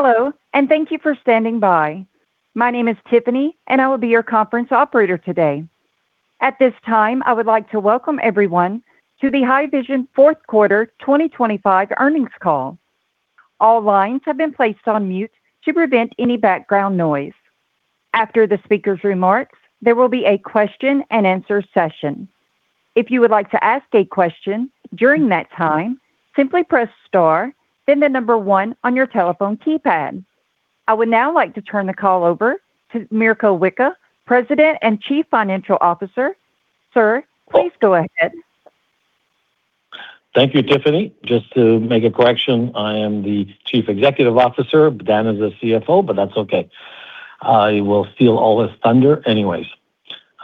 Hello, and thank you for standing by. My name is Tiffany, and I will be your conference operator today. At this time, I would like to welcome everyone to the Haivision Fourth Quarter 2025 earnings call. All lines have been placed on mute to prevent any background noise. After the speaker's remarks, there will be a question-and-answer session. If you would like to ask a question during that time, simply press star, then the number one on your telephone keypad. I would now like to turn the call over to Mirko Wicha, President and Chief Executive Officer. Sir, please go ahead. Thank you, Tiffany. Just to make a correction, I am the Chief Executive Officer, Dan is the CFO, but that's okay. I will steal all this thunder anyways.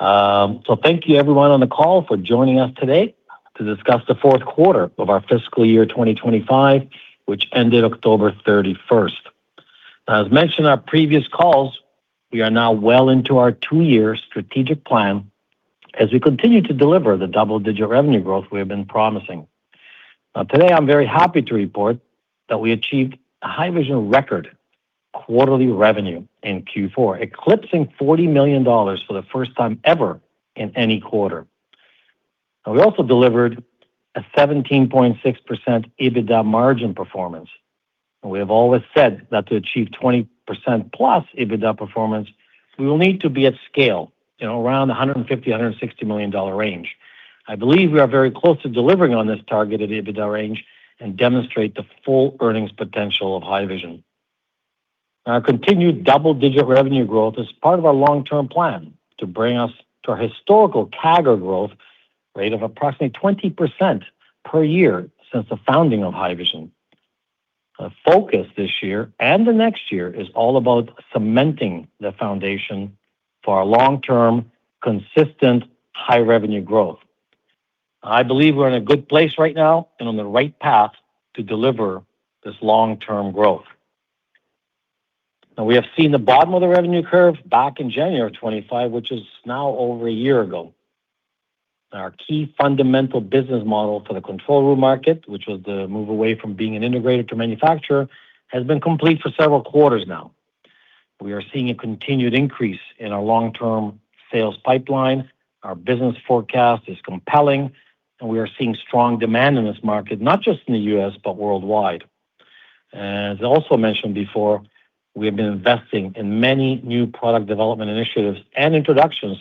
Thank you, everyone on the call, for joining us today to discuss the fourth quarter of our fiscal year 2025, which ended October 31st. As mentioned in our previous calls, we are now well into our two-year strategic plan as we continue to deliver the double-digit revenue growth we have been promising. Today, I'm very happy to report that we achieved a Haivision record quarterly revenue in Q4, eclipsing $40 million for the first time ever in any quarter. We also delivered a 17.6% EBITDA margin performance. We have always said that to achieve 20%-plus EBITDA performance, we will need to be at scale, around the $150 million-$160 million range. I believe we are very close to delivering on this targeted EBITDA range and demonstrate the full earnings potential of Haivision. Our continued double-digit revenue growth is part of our long-term plan to bring us to our historical CAGR growth rate of approximately 20% per year since the founding of Haivision. The focus this year and the next year is all about cementing the foundation for our long-term, consistent high-revenue growth. I believe we're in a good place right now and on the right path to deliver this long-term growth. We have seen the bottom of the revenue curve back in January of 2025, which is now over a year ago. Our key fundamental business model for the control room market, which was the move away from being an integrator to manufacturer, has been complete for several quarters now. We are seeing a continued increase in our long-term sales pipeline. Our business forecast is compelling, and we are seeing strong demand in this market, not just in the U.S., but worldwide. As I also mentioned before, we have been investing in many new product development initiatives and introductions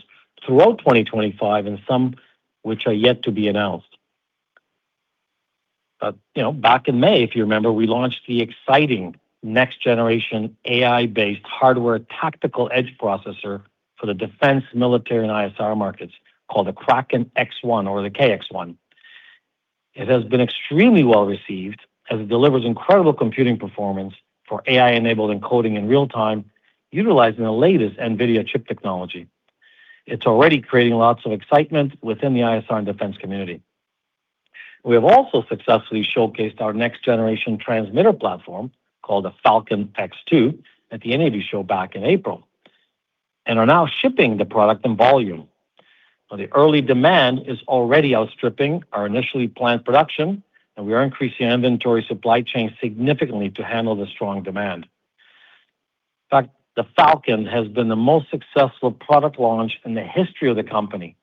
throughout 2025, and some which are yet to be announced. Back in May, if you remember, we launched the exciting next-generation AI-based hardware tactical edge processor for the defense, military, and ISR markets called the Kraken X1 or the KX1. It has been extremely well received as it delivers incredible computing performance for AI-enabled encoding in real time, utilizing the latest NVIDIA chip technology. It's already creating lots of excitement within the ISR and defense community. We have also successfully showcased our next-generation transmitter platform called the Falcon X2 at the NAB Show back in April and are now shipping the product in volume. The early demand is already outstripping our initially planned production, and we are increasing our inventory supply chain significantly to handle the strong demand. In fact, the Falcon has been the most successful product launch in the history of the company,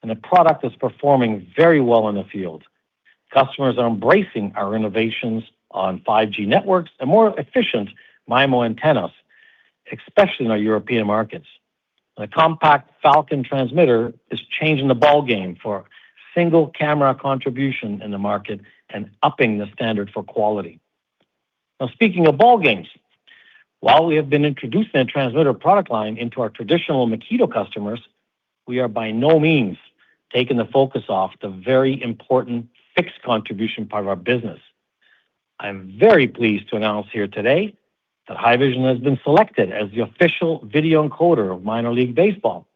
and the product is performing very well in the field. Customers are embracing our innovations on 5G networks and more efficient MIMO antennas, especially in our European markets. The compact Falcon transmitter is changing the ballgame for single-camera contribution in the market and upping the standard for quality. Now, speaking of ballgames, while we have been introducing a transmitter product line into our traditional Makito customers, we are by no means taking the focus off the very important fixed contribution part of our business. I'm very pleased to announce here today that Haivision has been selected as the official video encoder of Minor League Baseball.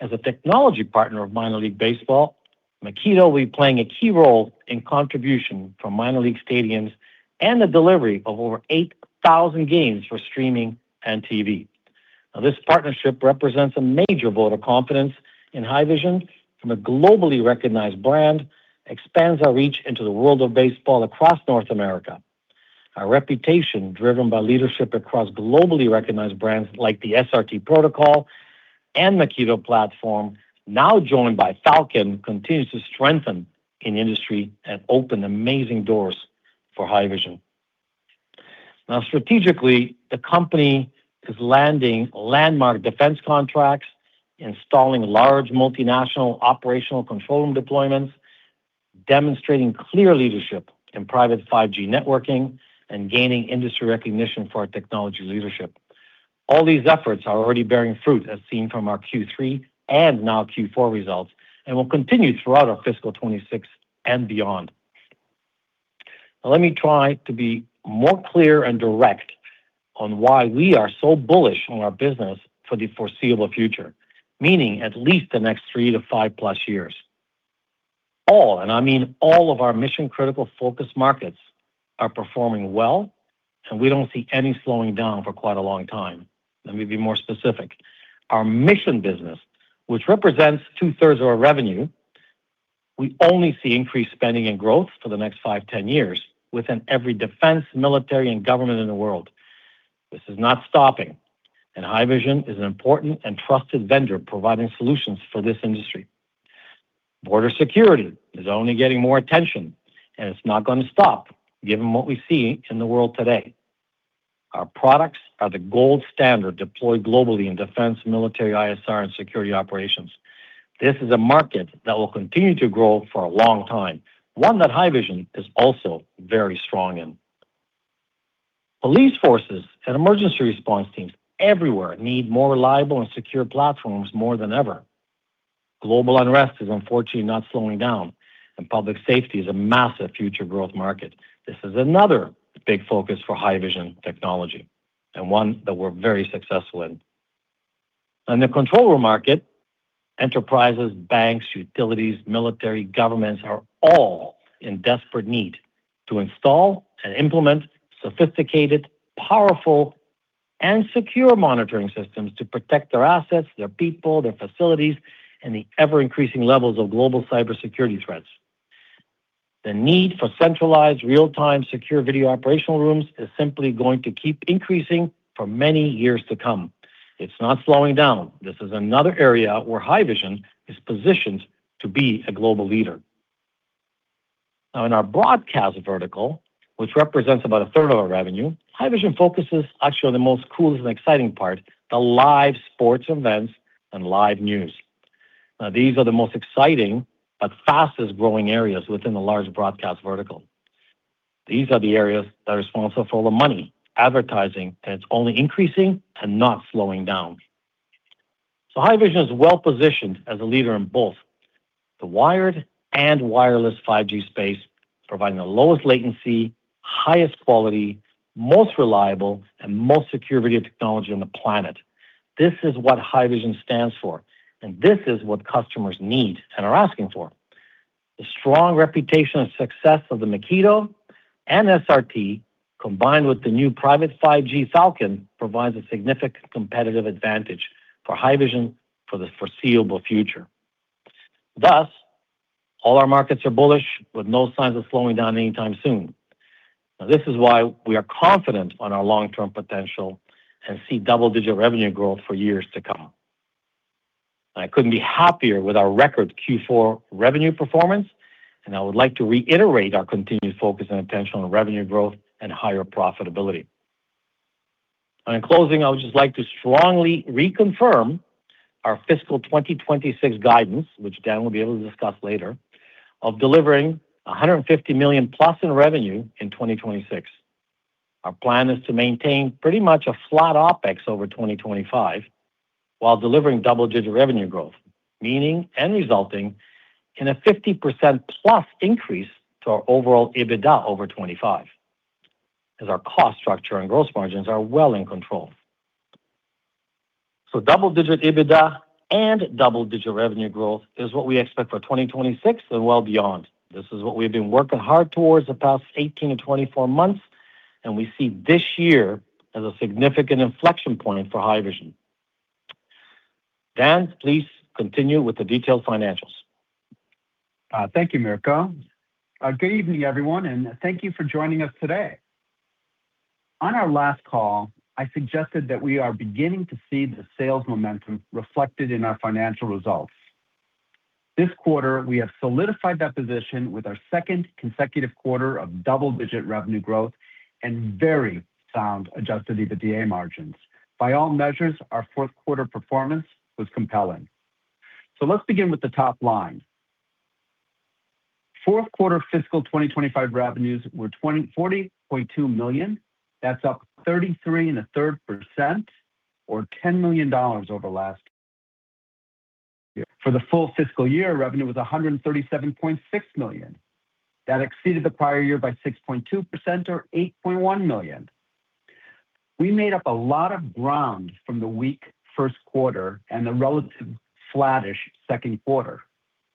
As a technology partner of Minor League Baseball, Makito will be playing a key role in contribution from minor league stadiums and the delivery of over 8,000 games for streaming and TV. This partnership represents a major vote of confidence in Haivision from a globally recognized brand that expands our reach into the world of baseball across North America. Our reputation, driven by leadership across globally recognized brands like the SRT protocol and Makito platform, now joined by Falcon, continues to strengthen in industry and open amazing doors for Haivision. Now, strategically, the company is landing landmark defense contracts, installing large multinational operational control room deployments, demonstrating clear leadership in private 5G networking, and gaining industry recognition for our technology leadership. All these efforts are already bearing fruit, as seen from our Q3 and now Q4 results, and will continue throughout our fiscal 2026 and beyond. Let me try to be more clear and direct on why we are so bullish on our business for the foreseeable future, meaning at least the next three to five-plus years. All, and I mean all of our mission-critical focus markets are performing well, and we don't see any slowing down for quite a long time. Let me be more specific. Our mission business, which represents two-thirds of our revenue, we only see increased spending and growth for the next five, 10 years within every defense, military, and government in the world. This is not stopping, and Haivision is an important and trusted vendor providing solutions for this industry. Border security is only getting more attention, and it's not going to stop given what we see in the world today. Our products are the gold standard deployed globally in defense, military, ISR, and security operations. This is a market that will continue to grow for a long time, one that Haivision is also very strong in. Police forces and emergency response teams everywhere need more reliable and secure platforms more than ever. Global unrest is unfortunately not slowing down, and public safety is a massive future growth market. This is another big focus for Haivision technology and one that we're very successful in. In the control room market, enterprises, banks, utilities, military, governments are all in desperate need to install and implement sophisticated, powerful, and secure monitoring systems to protect their assets, their people, their facilities, and the ever-increasing levels of global cybersecurity threats. The need for centralized, real-time secure video operational rooms is simply going to keep increasing for many years to come. It's not slowing down. This is another area where Haivision is positioned to be a global leader. Now, in our broadcast vertical, which represents about a third of our revenue, Haivision focuses actually on the most cool and exciting part, the live sports events and live news. Now, these are the most exciting but fastest-growing areas within the large broadcast vertical. These are the areas that are responsible for all the money, advertising, and it's only increasing and not slowing down. So Haivision is well-positioned as a leader in both the wired and wireless 5G space, providing the lowest latency, highest quality, most reliable, and most secure video technology on the planet. This is what Haivision stands for, and this is what customers need and are asking for. The strong reputation and success of the Makito and SRT, combined with the new private 5G Falcon, provides a significant competitive advantage for Haivision for the foreseeable future. Thus, all our markets are bullish with no signs of slowing down anytime soon. Now, this is why we are confident on our long-term potential and see double-digit revenue growth for years to come. I couldn't be happier with our record Q4 revenue performance, and I would like to reiterate our continued focus and attention on revenue growth and higher profitability. In closing, I would just like to strongly reconfirm our fiscal 2026 guidance, which Dan will be able to discuss later, of delivering $150 million-plus in revenue in 2026. Our plan is to maintain pretty much a flat OpEx over 2025 while delivering double-digit revenue growth, meaning and resulting in a 50%-plus increase to our overall EBITDA over 25, as our cost structure and gross margins are well in control, so double-digit EBITDA and double-digit revenue growth is what we expect for 2026 and well beyond. This is what we've been working hard towards the past 18 to 24 months, and we see this year as a significant inflection point for Haivision. Dan, please continue with the detailed financials. Thank you, Mirko. Good evening, everyone, and thank you for joining us today. On our last call, I suggested that we are beginning to see the sales momentum reflected in our financial results. This quarter, we have solidified that position with our second consecutive quarter of double-digit revenue growth and very sound Adjusted EBITDA margins. By all measures, our fourth quarter performance was compelling. So let's begin with the top line. Fourth quarter fiscal 2025 revenues were $40.2 million. That's up 33.33% or $10 million over last year. For the full fiscal year, revenue was $137.6 million. That exceeded the prior year by 6.2% or $8.1 million. We made up a lot of ground from the weak first quarter and the relatively sluggish second quarter.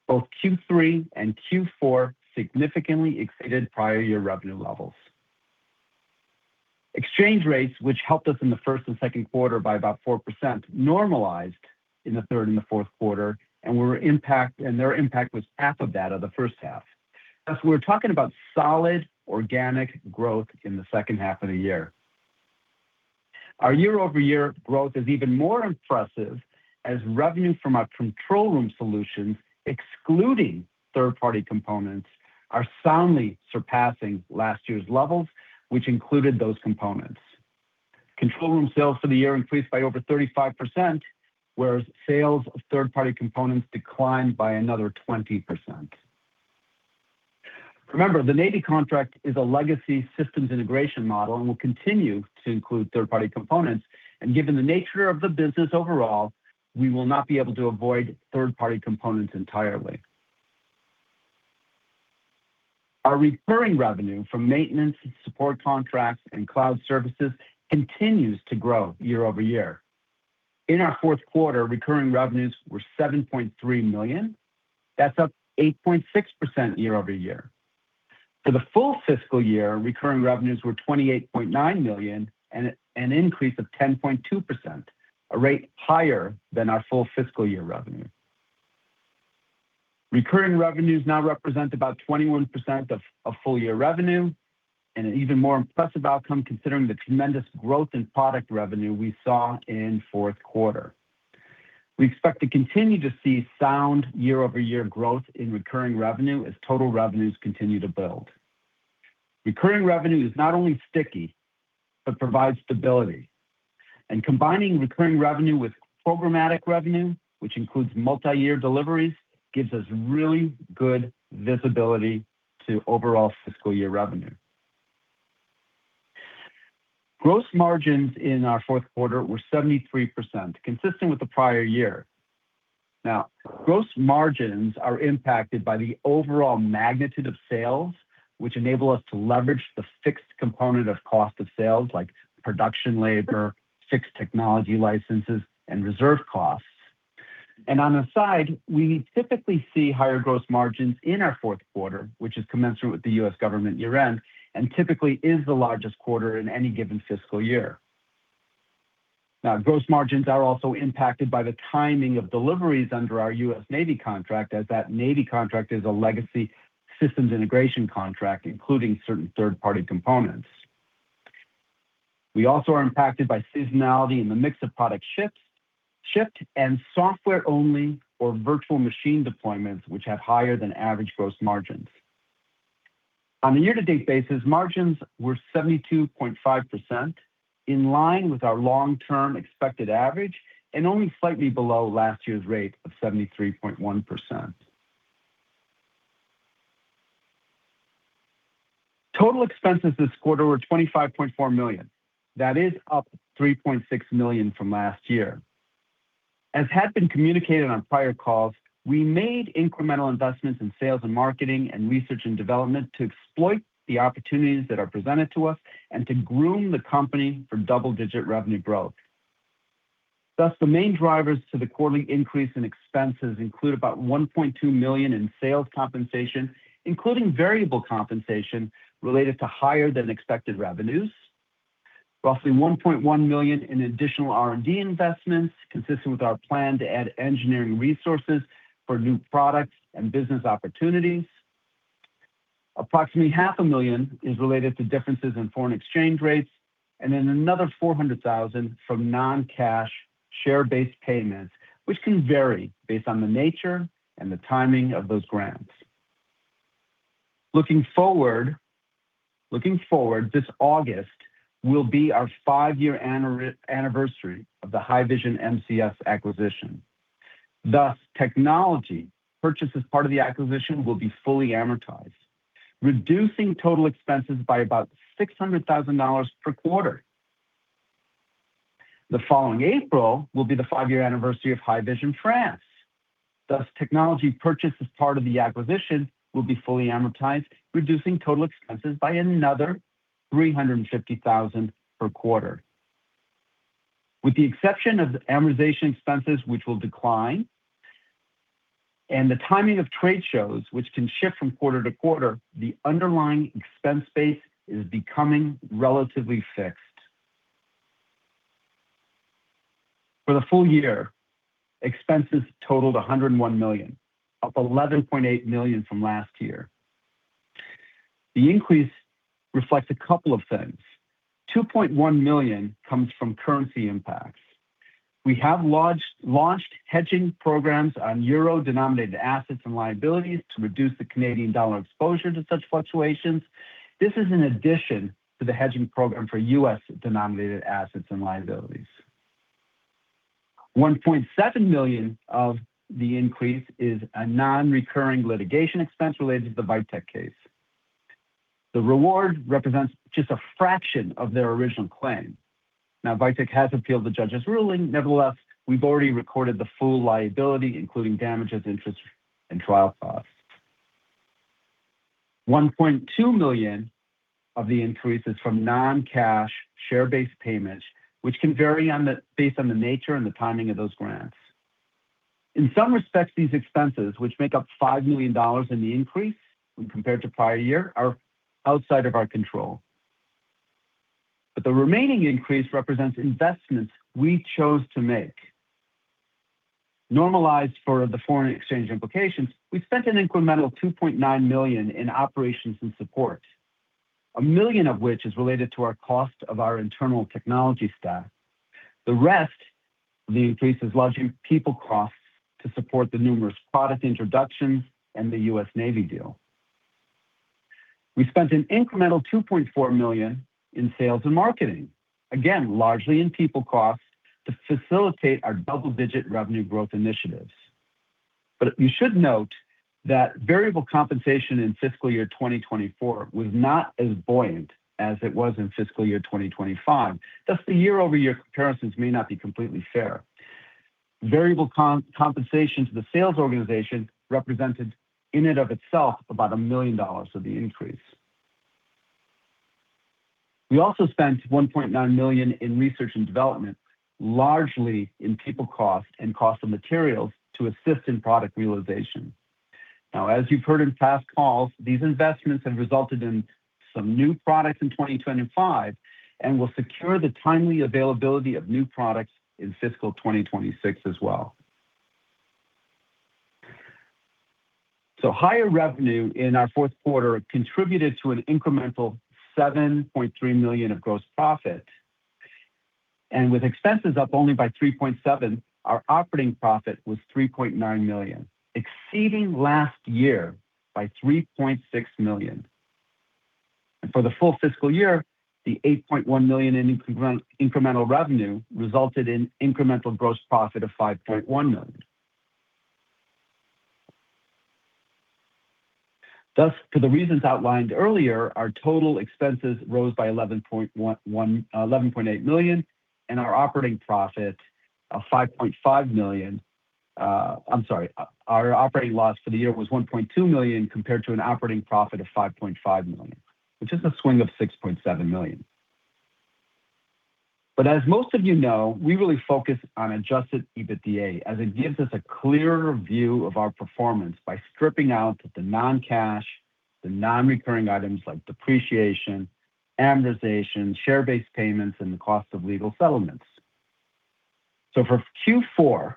Both Q3 and Q4 significantly exceeded prior year revenue levels. Exchange rates, which helped us in the first and second quarter by about 4%, normalized in the third and the fourth quarter, and their impact was half of that of the first half. So we're talking about solid organic growth in the second half of the year. Our year-over-year growth is even more impressive as revenue from our control room solutions, excluding third-party components, are soundly surpassing last year's levels, which included those components. Control room sales for the year increased by over 35%, whereas sales of third-party components declined by another 20%. Remember, the Navy contract is a legacy systems integration model and will continue to include third-party components. And given the nature of the business overall, we will not be able to avoid third-party components entirely. Our recurring revenue from maintenance support contracts and cloud services continues to grow year-over-year. In our fourth quarter, recurring revenues were $7.3 million. That's up 8.6% year-over-year. For the full fiscal year, recurring revenues were $28.9 million and an increase of 10.2%, a rate higher than our full fiscal year revenue. Recurring revenues now represent about 21% of full year revenue, and an even more impressive outcome considering the tremendous growth in product revenue we saw in fourth quarter. We expect to continue to see sound year-over-year growth in recurring revenue as total revenues continue to build. Recurring revenue is not only sticky, but provides stability. And combining recurring revenue with programmatic revenue, which includes multi-year deliveries, gives us really good visibility to overall fiscal year revenue. Gross margins in our fourth quarter were 73%, consistent with the prior year. Now, gross margins are impacted by the overall magnitude of sales, which enable us to leverage the fixed component of cost of sales, like production labor, fixed technology licenses, and reserve costs. And on the side, we typically see higher gross margins in our fourth quarter, which is commensurate with the U.S. government year-end and typically is the largest quarter in any given fiscal year. Now, gross margins are also impacted by the timing of deliveries under our U.S. Navy contract, as that Navy contract is a legacy systems integration contract, including certain third-party components. We also are impacted by seasonality in the mix of product shipped and software-only or virtual machine deployments, which have higher than average gross margins. On a year-to-date basis, margins were 72.5%, in line with our long-term expected average, and only slightly below last year's rate of 73.1%. Total expenses this quarter were $25.4 million. That is up $3.6 million from last year. As had been communicated on prior calls, we made incremental investments in sales and marketing and research and development to exploit the opportunities that are presented to us and to groom the company for double-digit revenue growth. Thus, the main drivers to the quarterly increase in expenses include about $1.2 million in sales compensation, including variable compensation related to higher than expected revenues, roughly $1.1 million in additional R&D investments, consistent with our plan to add engineering resources for new products and business opportunities. Approximately $500,000 is related to differences in foreign exchange rates, and then another $400,000 from non-cash share-based payments, which can vary based on the nature and the timing of those grants. Looking forward, this August will be our five-year anniversary of the Haivision MCS acquisition. Thus, technology purchases part of the acquisition will be fully amortized, reducing total expenses by about $600,000 per quarter. The following April will be the five-year anniversary of Haivision France. Thus, technology purchases part of the acquisition will be fully amortized, reducing total expenses by another $350,000 per quarter. With the exception of amortization expenses, which will decline, and the timing of trade shows, which can shift from quarter to quarter, the underlying expense base is becoming relatively fixed. For the full year, expenses totaled $101 million, up $11.8 million from last year. The increase reflects a couple of things. $2.1 million comes from currency impacts. We have launched hedging programs on euro-denominated assets and liabilities to reduce the Canadian dollar exposure to such fluctuations. This is in addition to the hedging program for U.S. denominated assets and liabilities. $1.7 million of the increase is a non-recurring litigation expense related to the VITEC case. The award represents just a fraction of their original claim. Now, VITEC has appealed the judge's ruling. Nevertheless, we've already recorded the full liability, including damages, interest, and trial costs. $1.2 million of the increase is from non-cash share-based payments, which can vary based on the nature and the timing of those grants. In some respects, these expenses, which make up $5 million in the increase when compared to prior year, are outside of our control. But the remaining increase represents investments we chose to make. Normalized for the foreign exchange implications, we spent an incremental $2.9 million in operations and support, a million of which is related to the cost of our internal technology staff. The rest of the increase is largely in people costs to support the numerous product introductions and the U.S. Navy deal. We spent an incremental $2.4 million in sales and marketing, again, largely in people costs to facilitate our double-digit revenue growth initiatives. But you should note that variable compensation in fiscal year 2024 was not as buoyant as it was in fiscal year 2025. Thus, the year-over-year comparisons may not be completely fair. Variable compensation to the sales organization represented, in and of itself, about $1 million of the increase. We also spent $1.9 million in research and development, largely in people costs and cost of materials to assist in product realization. Now, as you've heard in past calls, these investments have resulted in some new products in 2025 and will secure the timely availability of new products in fiscal 2026 as well. So higher revenue in our fourth quarter contributed to an incremental $7.3 million of gross profit. And with expenses up only by $3.7 million, our operating profit was $3.9 million, exceeding last year by $3.6 million. And for the full fiscal year, the $8.1 million in incremental revenue resulted in incremental gross profit of $5.1 million. Thus, for the reasons outlined earlier, our total expenses rose by $11.8 million, and our operating profit of $5.5 million, I'm sorry, our operating loss for the year was $1.2 million compared to an operating profit of $5.5 million, which is a swing of $6.7 million. But as most of you know, we really focus on Adjusted EBITDA, as it gives us a clearer view of our performance by stripping out the non-cash, the non-recurring items like depreciation, amortization, share-based payments, and the cost of legal settlements. So for Q4,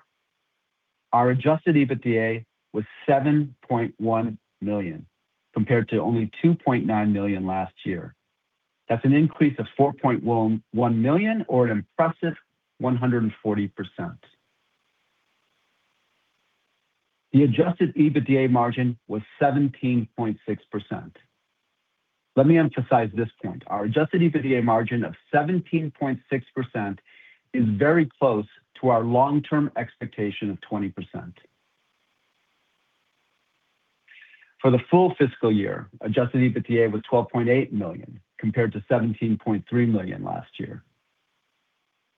our Adjusted EBITDA was $7.1 million compared to only $2.9 million last year. That's an increase of $4.1 million or an impressive 140%. The adjusted EBITDA margin was 17.6%. Let me emphasize this point. Our adjusted EBITDA margin of 17.6% is very close to our long-term expectation of 20%. For the full fiscal year, adjusted EBITDA was $12.8 million compared to $17.3 million last year.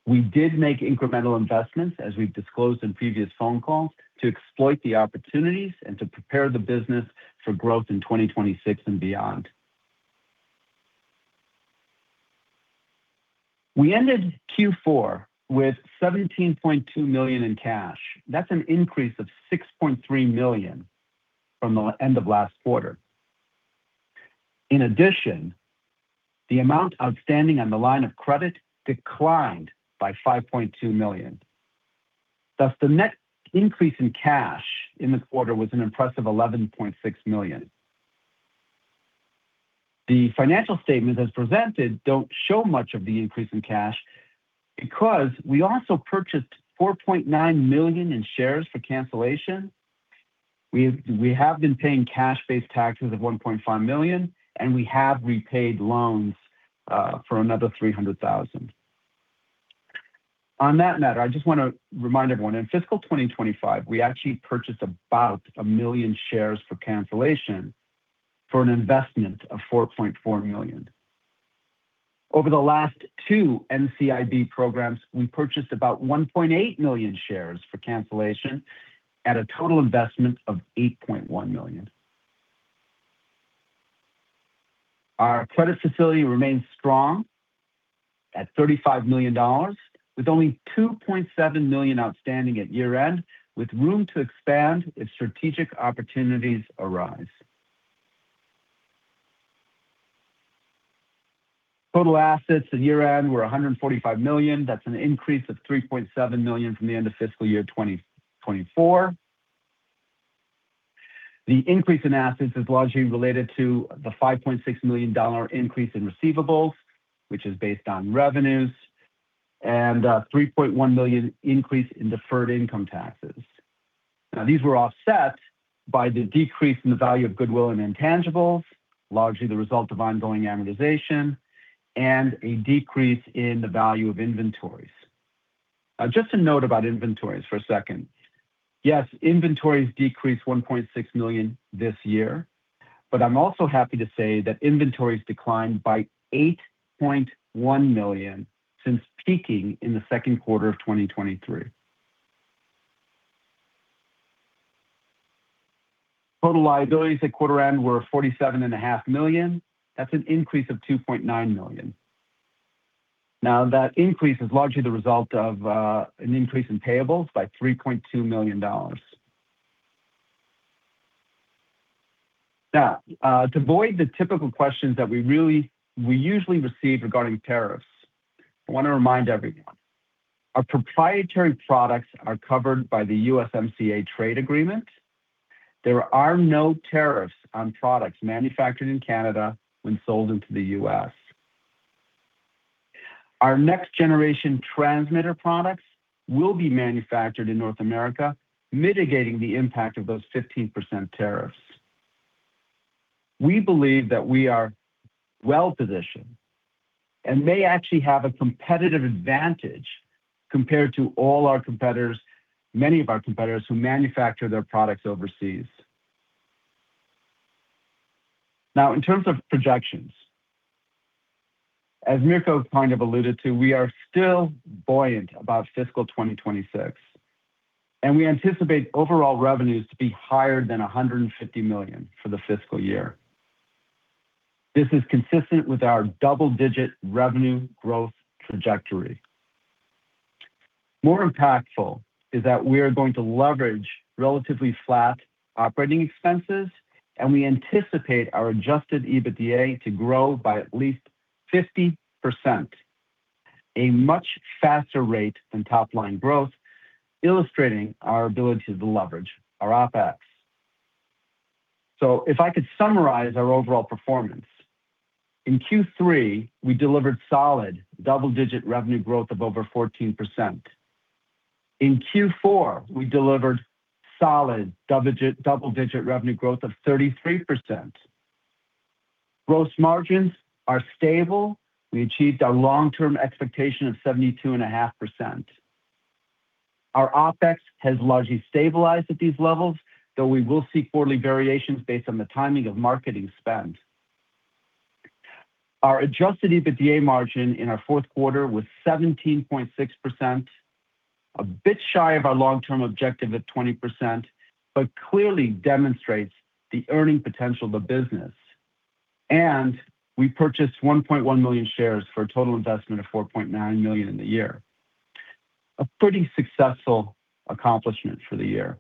We did make incremental investments, as we've disclosed in previous phone calls, to exploit the opportunities and to prepare the business for growth in 2026 and beyond. We ended Q4 with $17.2 million in cash. That's an increase of $6.3 million from the end of last quarter. In addition, the amount outstanding on the line of credit declined by $5.2 million. Thus, the net increase in cash in the quarter was an impressive $11.6 million. The financial statements as presented don't show much of the increase in cash because we also purchased $4.9 million in shares for cancellation. We have been paying cash-based taxes of $1.5 million, and we have repaid loans for another $300,000. On that matter, I just want to remind everyone, in fiscal 2025, we actually purchased about a million shares for cancellation for an investment of $4.4 million. Over the last two NCIB programs, we purchased about 1.8 million shares for cancellation at a total investment of $8.1 million. Our credit facility remains strong at $35 million, with only $2.7 million outstanding at year-end, with room to expand if strategic opportunities arise. Total assets at year-end were $145 million. That's an increase of $3.7 million from the end of fiscal year 2024. The increase in assets is largely related to the $5.6 million increase in receivables, which is based on revenues, and a $3.1 million increase in deferred income taxes. Now, these were offset by the decrease in the value of goodwill and intangibles, largely the result of ongoing amortization, and a decrease in the value of inventories. Now, just a note about inventories for a second. Yes, inventories decreased $1.6 million this year, but I'm also happy to say that inventories declined by $8.1 million since peaking in the second quarter of 2023. Total liabilities at quarter-end were $47.5 million. That's an increase of $2.9 million. Now, that increase is largely the result of an increase in payables by $3.2 million. Now, to avoid the typical questions that we usually receive regarding tariffs, I want to remind everyone. Our proprietary products are covered by the USMCA trade agreement. There are no tariffs on products manufactured in Canada when sold into the U.S. Our next-generation transmitter products will be manufactured in North America, mitigating the impact of those 15% tariffs. We believe that we are well-positioned and may actually have a competitive advantage compared to all our competitors, many of our competitors who manufacture their products overseas. Now, in terms of projections, as Mirko kind of alluded to, we are still buoyant about fiscal 2026, and we anticipate overall revenues to be higher than $150 million for the fiscal year. This is consistent with our double-digit revenue growth trajectory. More impactful is that we are going to leverage relatively flat operating expenses, and we anticipate our Adjusted EBITDA to grow by at least 50%, a much faster rate than top-line growth, illustrating our ability to leverage our OpEx. So if I could summarize our overall performance, in Q3, we delivered solid double-digit revenue growth of over 14%. In Q4, we delivered solid double-digit revenue growth of 33%. Gross margins are stable. We achieved our long-term expectation of 72.5%. Our OpEx has largely stabilized at these levels, though we will see quarterly variations based on the timing of marketing spend. Our adjusted EBITDA margin in our fourth quarter was 17.6%, a bit shy of our long-term objective of 20%, but clearly demonstrates the earning potential of the business, and we purchased 1.1 million shares for a total investment of $4.9 million in the year. A pretty successful accomplishment for the year.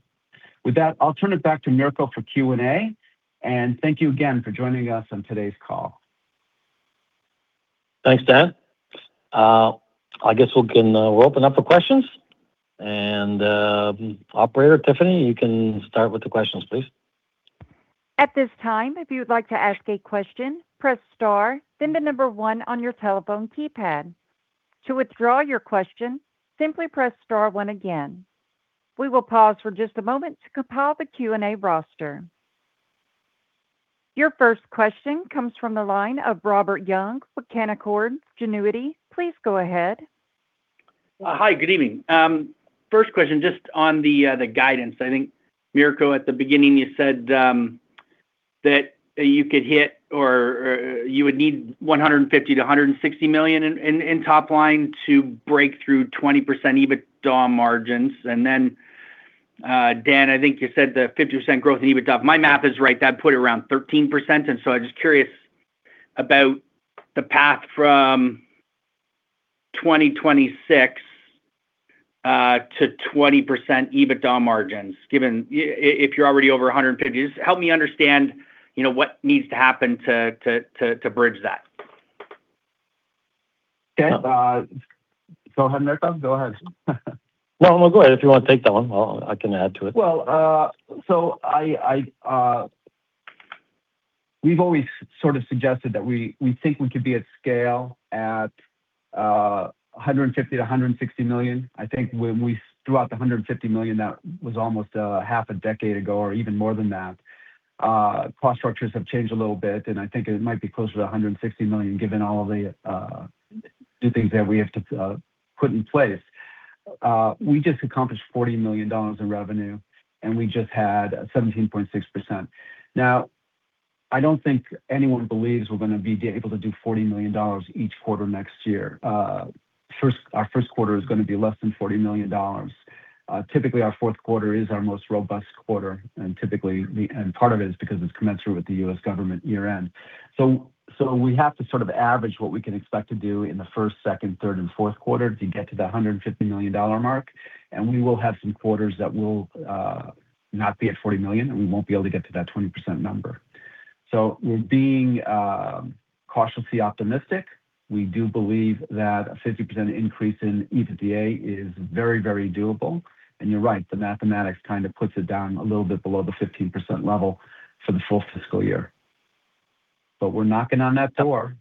With that, I'll turn it back to Mirko for Q&A, and thank you again for joining us on today's call. Thanks, Dan. I guess we'll open up for questions, and Operator Tiffany, you can start with the questions, please. At this time, if you'd like to ask a question, press star, then the number one on your telephone keypad. To withdraw your question, simply press star one again. We will pause for just a moment to compile the Q&A roster. Your first question comes from the line of Robert Young, Canaccord Genuity. Please go ahead. Hi, good evening. First question, just on the guidance. I think, Mirko, at the beginning, you said that you could hit or you would need $150 million-$160 million in top line to break through 20% EBITDA margins. And then, Dan, I think you said the 50% growth in EBITDA. My math is right. That put it around 13%. And so I'm just curious about the path from 2026 to 20% EBITDA margins, given if you're already over $150 million. Just help me understand what needs to happen to bridge that. Go ahead, Mirko. Go ahead. Well, go ahead. If you want to take that one, I can add to it. So we've always sort of suggested that we think we could be at scale at $150 million-$160 million. I think when we threw out the $150 million, that was almost a half a decade ago or even more than that. Cost structures have changed a little bit, and I think it might be closer to $160 million given all the new things that we have to put in place. We just accomplished $40 million in revenue, and we just had 17.6%. Now, I don't think anyone believes we're going to be able to do $40 million each quarter next year. Our first quarter is going to be less than $40 million. Typically, our fourth quarter is our most robust quarter. And part of it is because it's commensurate with the U.S. government year-end. So we have to sort of average what we can expect to do in the first, second, third, and fourth quarter to get to the $150 million mark. And we will have some quarters that will not be at $40 million, and we won't be able to get to that 20% number. So we're being cautiously optimistic. We do believe that a 50% increase in EBITDA is very, very doable. And you're right. The mathematics kind of puts it down a little bit below the 15% level for the full fiscal year. But we're knocking on that door.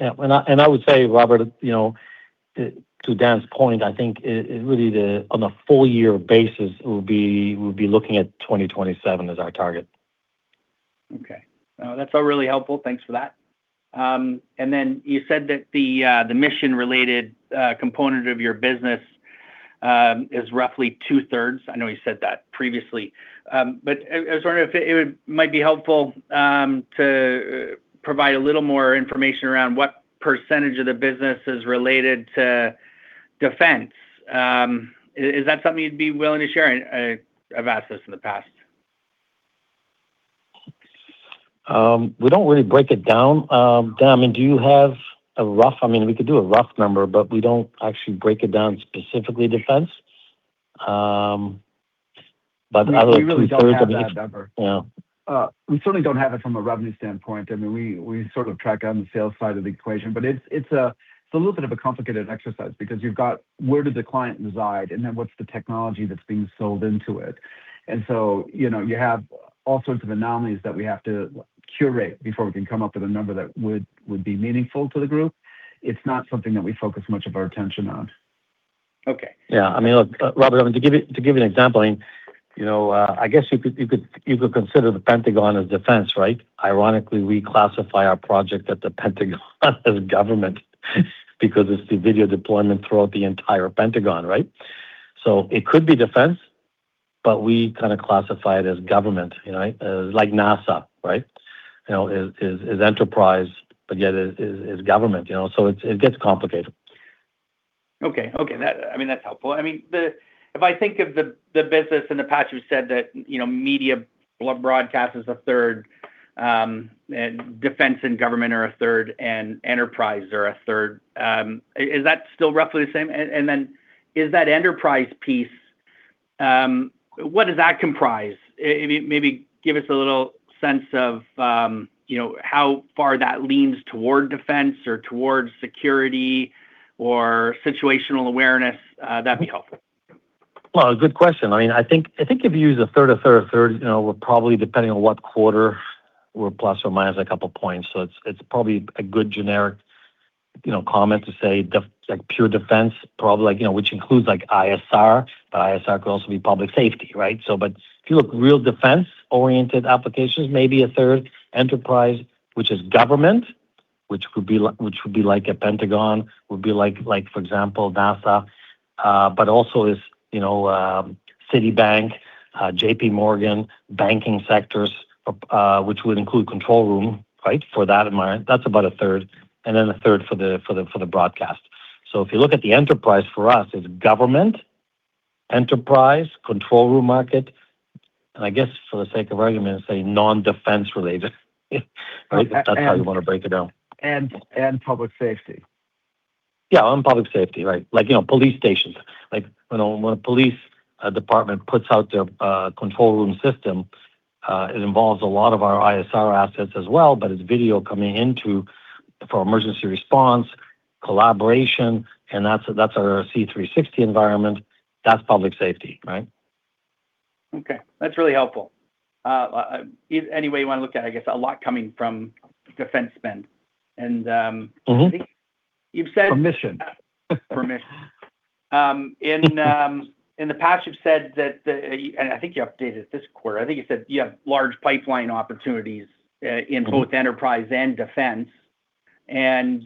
Yeah. And I would say, Robert, to Dan's point, I think really on a full-year basis, we'll be looking at 2027 as our target. Okay. That's all really helpful. Thanks for that. And then you said that the mission-related component of your business is roughly two-thirds. I know you said that previously. But I was wondering if it might be helpful to provide a little more information around what percentage of the business is related to defense. Is that something you'd be willing to share? I've asked this in the past. We don't really break it down. Dan, I mean, do you have a rough - I mean, we could do a rough number, but we don't actually break it down specifically to defense. But I would really - third, I mean, yeah. We certainly don't have it from a revenue standpoint. I mean, we sort of track on the sales side of the equation. But it's a little bit of a complicated exercise because you've got where did the client reside, and then what's the technology that's being sold into it. And so you have all sorts of anomalies that we have to curate before we can come up with a number that would be meaningful to the group. It's not something that we focus much of our attention on. Okay. Yeah. I mean, look, Robert, to give you an example, I mean, I guess you could consider the Pentagon as defense, right? Ironically, we classify our project at the Pentagon as government because it's the video deployment throughout the entire Pentagon, right? So it could be defense, but we kind of classify it as government, right? Like NASA, right? Is enterprise, but yet is government. So it gets complicated. Okay. Okay. I mean, that's helpful. I mean, if I think of the business in the past, you said that media broadcast is a third, and defense and government are a third, and enterprise are a third. Is that still roughly the same? And then is that enterprise piece, what does that comprise? Maybe give us a little sense of how far that leans toward defense or toward security or situational awareness. That'd be helpful. Well, good question. I mean, I think if you use a third, a third, a third, probably depending on what quarter, we're plus or minus a couple of points. So it's probably a good generic comment to say pure defense, probably, which includes ISR, but ISR could also be public safety, right? But if you look real defense-oriented applications, maybe a third, enterprise, which is government, which would be like the Pentagon, would be like, for example, NASA, but also is Citibank, JPMorgan, banking sectors, which would include control room, right? For that environment, that's about a third. And then a third for the broadcast. So if you look at the enterprise for us, it's government, enterprise, control room market, and I guess for the sake of argument, say non-defense related, right? If that's how you want to break it down. And public safety. Yeah, and public safety, right? Like police stations. When a police department puts out their control room system, it involves a lot of our ISR assets as well, but it's video coming into for emergency response, collaboration, and that's our C360 environment. That's public safety, right? Okay. That's really helpful. Any way you want to look at it, I guess a lot coming from defense spend. And I think you've said previously. In the past, you've said that—and I think you updated this quarter—I think you said you have large pipeline opportunities in both enterprise and defense. And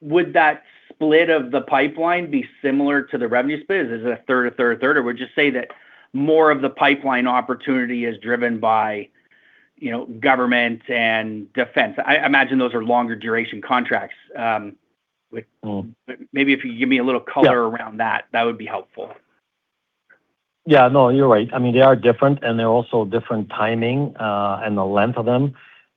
would that split of the pipeline be similar to the revenue split? Is it a third, a third, a third? Or would you say that more of the pipeline opportunity is driven by government and defense? I imagine those are longer duration contracts. Maybe if you give me a little color around that, that would be helpful. Yeah. No, you're right. I mean, they are different, and they're also different timing and the length of them.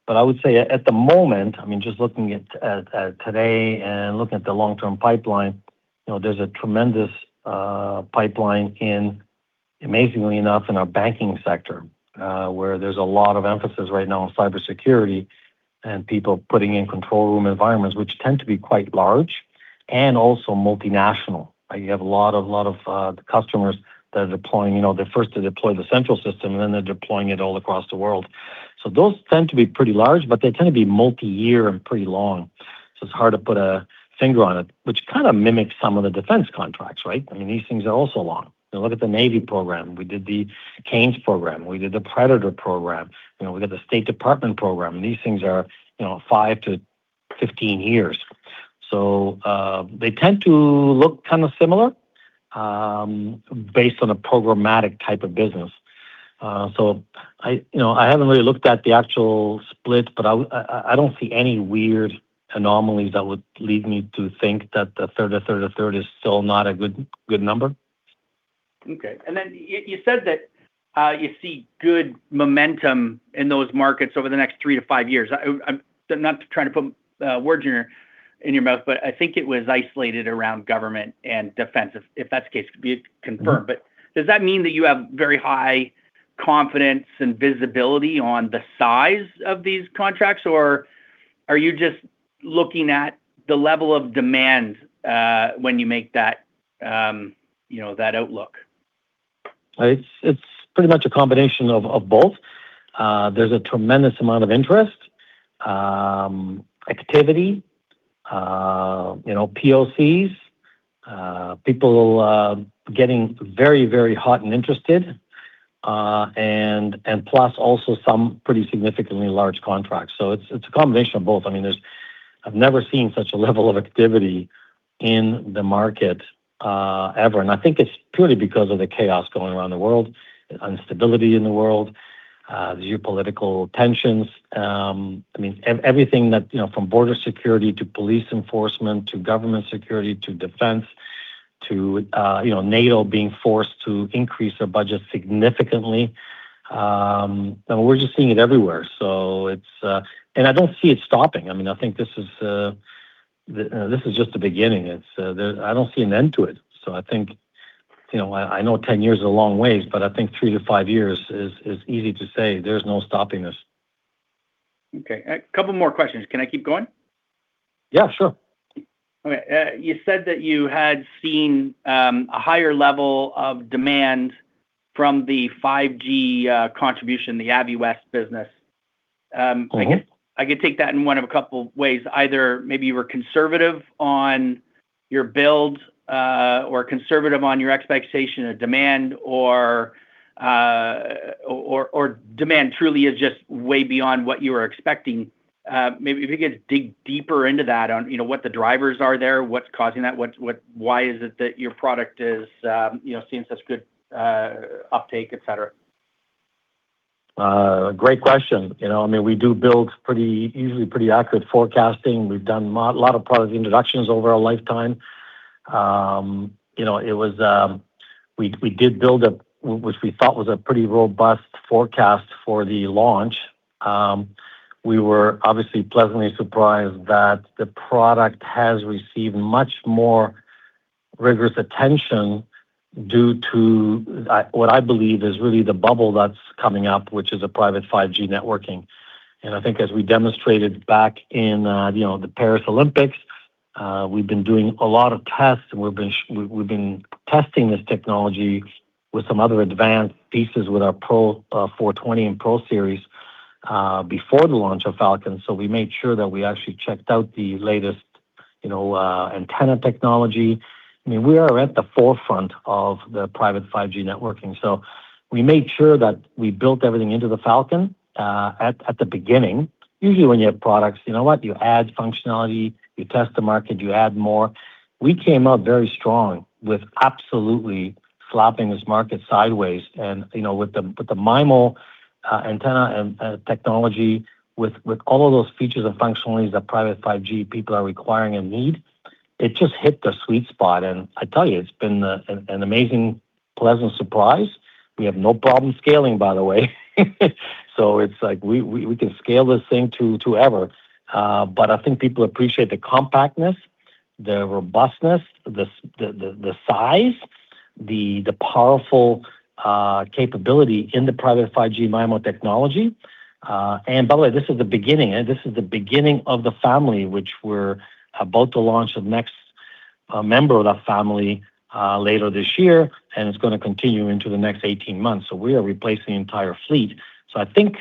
But I would say at the moment, I mean, just looking at today and looking at the long-term pipeline, there's a tremendous pipeline in, amazingly enough, in our banking sector, where there's a lot of emphasis right now on cybersecurity and people putting in control room environments, which tend to be quite large and also multinational. You have a lot of customers that are deploying, they're first to deploy the central system, and then they're deploying it all across the world. So those tend to be pretty large, but they tend to be multi-year and pretty long. So it's hard to put a finger on it, which kind of mimics some of the defense contracts, right? I mean, these things are also long. Look at the Navy program. We did the CANES program. We did the Predator program. We got the State Department program. These things are five to 15 years. So they tend to look kind of similar based on a programmatic type of business. So I haven't really looked at the actual split, but I don't see any weird anomalies that would lead me to think that the third, a third, a third is still not a good number. Okay. And then you said that you see good momentum in those markets over the next three to five years. I'm not trying to put words in your mouth, but I think it was isolated around government and defense, if that's the case. Could you confirm? But does that mean that you have very high confidence and visibility on the size of these contracts, or are you just looking at the level of demand when you make that outlook? It's pretty much a combination of both. There's a tremendous amount of interest, activity, POCs, people getting very, very hot and interested, and plus also some pretty significantly large contracts. So it's a combination of both. I mean, I've never seen such a level of activity in the market ever. And I think it's purely because of the chaos going around the world, instability in the world, geopolitical tensions. I mean, everything from border security to police enforcement to government security to defense to NATO being forced to increase their budget significantly. We're just seeing it everywhere, and I don't see it stopping. I mean, I think this is just the beginning. I don't see an end to it. So I think I know 10 years is a long ways, but I think three to five years is easy to say. There's no stopping this. Okay. A couple more questions. Can I keep going? Yeah, sure. Okay. You said that you had seen a higher level of demand from the 5G contribution, the Aviwest business. I could take that in one of a couple of ways. Either maybe you were conservative on your build or conservative on your expectation of demand, or demand truly is just way beyond what you were expecting. Maybe if you could dig deeper into that, what the drivers are there, what's causing that, why is it that your product is seeing such good uptake, etc.? Great question. I mean, we do build pretty easily, pretty accurate forecasting. We've done a lot of product introductions over our lifetime. We did build a, which we thought was a pretty robust forecast for the launch. We were obviously pleasantly surprised that the product has received much more rigorous attention due to what I believe is really the bubble that's coming up, which is a private 5G networking, and I think as we demonstrated back in the Paris Olympics, we've been doing a lot of tests, and we've been testing this technology with some other advanced pieces with our Pro420 and Pro Series before the launch of Falcon. So we made sure that we actually checked out the latest antenna technology. I mean, we are at the forefront of the private 5G networking. So we made sure that we built everything into the Falcon at the beginning. Usually, when you have products, you know what? You add functionality, you test the market, you add more. We came out very strong with absolutely slapping this market sideways. And with the MIMO antenna and technology, with all of those features and functionalities that private 5G people are requiring and need, it just hit the sweet spot. And I tell you, it's been an amazing, pleasant surprise. We have no problem scaling, by the way. So it's like we can scale this thing to ever. But I think people appreciate the compactness, the robustness, the size, the powerful capability in the private 5G MIMO technology. And by the way, this is the beginning. This is the beginning of the family, which we're about to launch the next member of that family later this year, and it's going to continue into the next 18 months. So we are replacing the entire fleet. So I think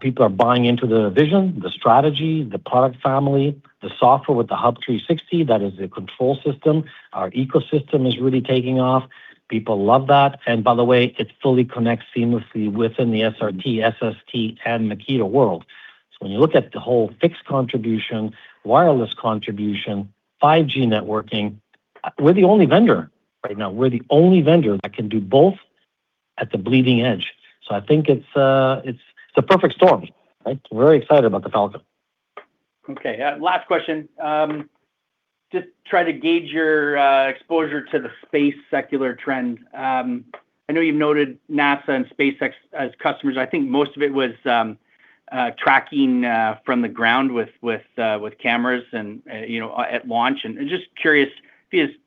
people are buying into the vision, the strategy, the product family, the software with the Hub 360. That is the control system. Our ecosystem is really taking off. People love that. And by the way, it fully connects seamlessly within the SRT, SST, and Makito world. So when you look at the whole fixed contribution, wireless contribution, 5G networking, we're the only vendor right now. We're the only vendor that can do both at the bleeding edge. So I think it's a perfect storm, right? We're very excited about the Falcon. Okay. Last question. Just try to gauge your exposure to the space secular trend. I know you've noted NASA and SpaceX as customers. I think most of it was tracking from the ground with cameras at launch. And just curious, if you just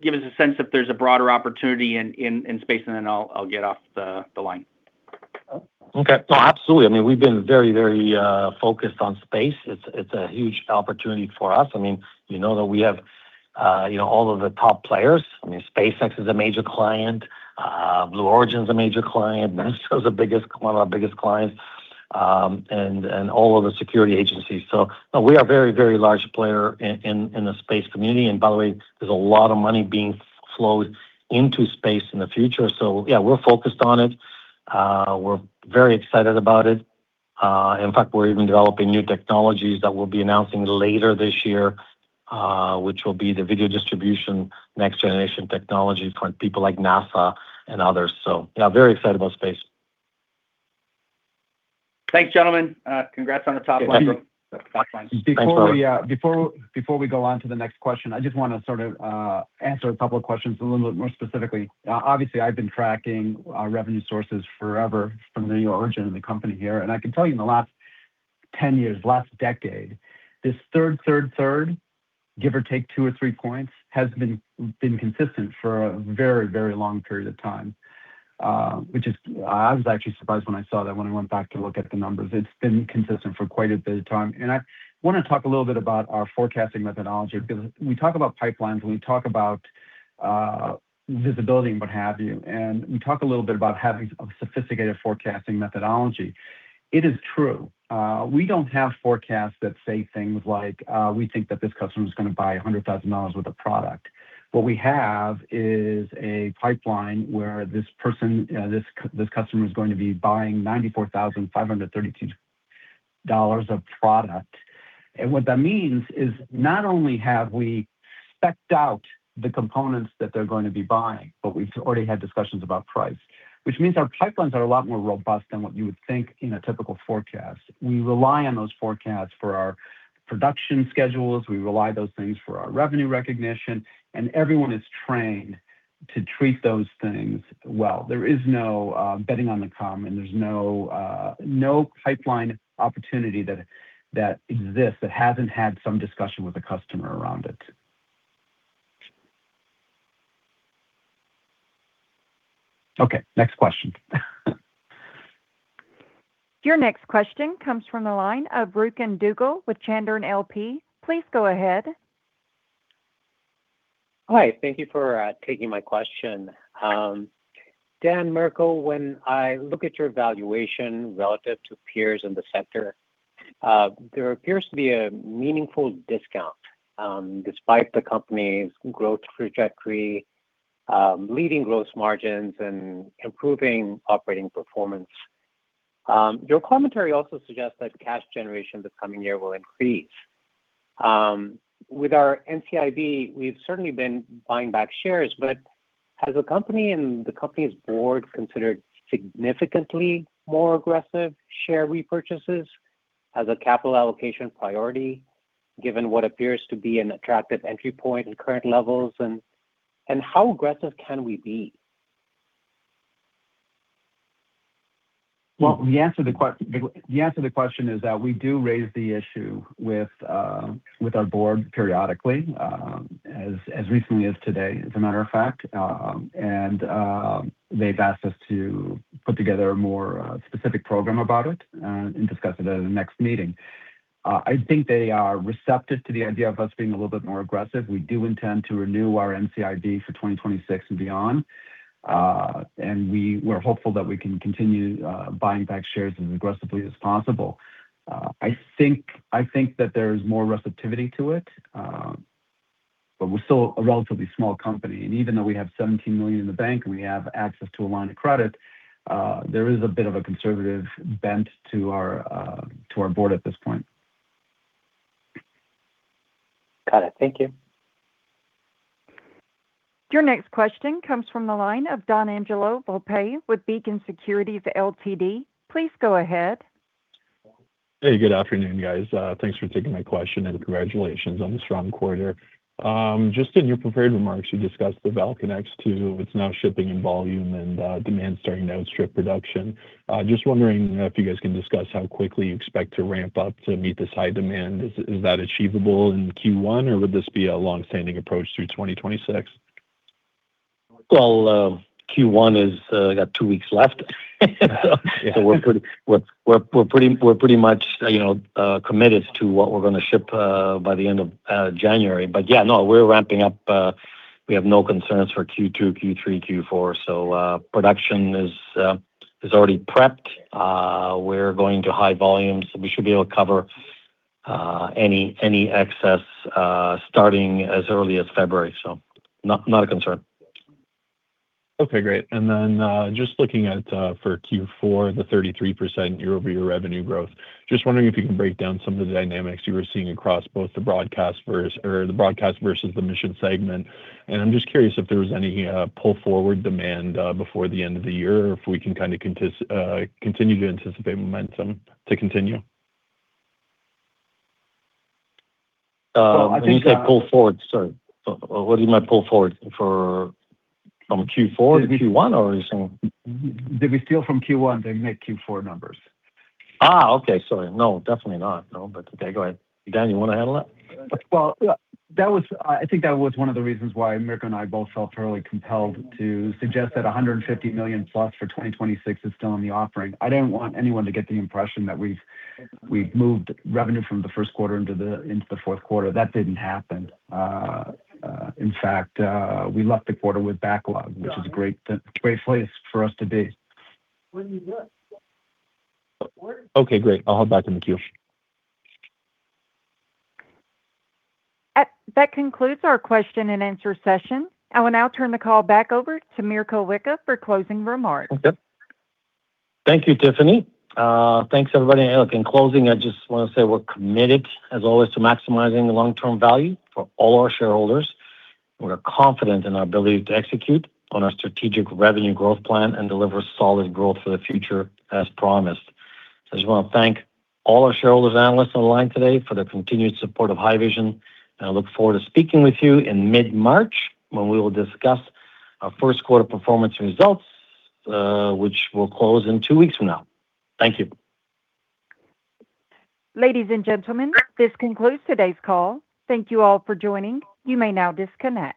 give us a sense if there's a broader opportunity in space, and then I'll get off the line. Okay. No, absolutely. I mean, we've been very, very focused on space. It's a huge opportunity for us. I mean, you know that we have all of the top players. I mean, SpaceX is a major client. Blue Origin is a major client. NASA is one of our biggest clients. And all of the security agencies. So we are a very, very large player in the space community. And by the way, there's a lot of money being flowed into space in the future. So yeah, we're focused on it. We're very excited about it. In fact, we're even developing new technologies that we'll be announcing later this year, which will be the video distribution next-generation technology for people like NASA and others. So yeah, very excited about space. Thanks, gentlemen. Congrats on the top line. Thanks, Robert. Before we go on to the next question, I just want to sort of answer a couple of questions a little bit more specifically. Obviously, I've been tracking revenue sources forever from the Blue Origin and the company here. And I can tell you in the last 10 years, last decade, this third, third, third, give or take two or three points has been consistent for a very, very long period of time, which is I was actually surprised when I saw that when I went back to look at the numbers. It's been consistent for quite a bit of time. And I want to talk a little bit about our forecasting methodology because we talk about pipelines, and we talk about visibility and what have you. And we talk a little bit about having a sophisticated forecasting methodology. It is true. We don't have forecasts that say things like, "We think that this customer is going to buy $100,000 worth of product." What we have is a pipeline where this customer is going to be buying $94,532 of product. And what that means is not only have we specced out the components that they're going to be buying, but we've already had discussions about price, which means our pipelines are a lot more robust than what you would think in a typical forecast. We rely on those forecasts for our production schedules. We rely on those things for our revenue recognition, and everyone is trained to treat those things well. There is no betting on the commons. There's no pipeline opportunity that exists that hasn't had some discussion with a customer around it. Okay. Next question. Your next question comes from the line of Rukun Duggal with Chandern LP. Please go ahead. Hi. Thank you for taking my question. Dan Rabinowitz, when I look at your valuation relative to peers in the sector, there appears to be a meaningful discount despite the company's growth trajectory, leading gross margins, and improving operating performance. Your commentary also suggests that cash generation this coming year will increase. With our NCIB, we've certainly been buying back shares, but has the company and the company's board considered significantly more aggressive share repurchases as a capital allocation priority given what appears to be an attractive entry point at current levels? And how aggressive can we be? The answer to the question is that we do raise the issue with our board periodically, as recently as today, as a matter of fact. And they've asked us to put together a more specific program about it and discuss it at the next meeting. I think they are receptive to the idea of us being a little bit more aggressive. We do intend to renew our NCIB for 2026 and beyond. And we're hopeful that we can continue buying back shares as aggressively as possible. I think that there is more receptivity to it, but we're still a relatively small company. And even though we have $7 million in the bank and we have access to a line of credit, there is a bit of a conservative bent to our board at this point. Got it. Thank you. Your next question comes from the line of Donangelo Volpe with Beacon Securities Ltd. Please go ahead. Hey, good afternoon, guys. Thanks for taking my question and congratulations on the strong quarter. Just in your prepared remarks, you discussed the Falcon X2. It's now shipping in volume and demand starting to outstrip production. Just wondering if you guys can discuss how quickly you expect to ramp up to meet this high demand. Is that achievable in Q1, or would this be a long-standing approach through 2026? Well, Q1 is got two weeks left. So we're pretty much committed to what we're going to ship by the end of January. But yeah, no, we're ramping up. We have no concerns for Q2, Q3, Q4. So production is already prepped. We're going to high volumes. We should be able to cover any excess starting as early as February. So, not a concern. Okay. Great. And then, just looking at for Q4, the 33% year-over-year revenue growth, just wondering if you can break down some of the dynamics you were seeing across both the broadcast versus the mission segment. And I'm just curious if there was any pull-forward demand before the end of the year or if we can kind of continue to anticipate momentum to continue. When you say pull forward, sorry. What do you mean by pull forward? From Q4 to Q1 or are you saying there'll be spill from Q1 that made Q4 numbers? Okay. Sorry. No, definitely not. No, but okay, go ahead. Dan, you want to handle that? Well, I think that was one of the reasons why Mirko and I both felt fairly compelled to suggest that $150 million plus for 2026 is still on the offering. I didn't want anyone to get the impression that we've moved revenue from the first quarter into the fourth quarter. That didn't happen. In fact, we left the quarter with backlog, which is a great place for us to be. Okay. Great. I'll hop back in the queue. That concludes our question and answer session. I will now turn the call back over to Mirko Wicha for closing remarks. Okay. Thank you, Tiffany. Thanks, everybody. And look, in closing, I just want to say we're committed, as always, to maximizing the long-term value for all our shareholders. We're confident in our ability to execute on our strategic revenue growth plan and deliver solid growth for the future as promised. So I just want to thank all our shareholders and analysts on the line today for their continued support of Haivision. I look forward to speaking with you in mid-March when we will discuss our first quarter performance results, which will close in two weeks from now. Thank you. Ladies and gentlemen, this concludes today's call. Thank you all for joining. You may now disconnect.